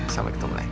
sampai ketemu lagi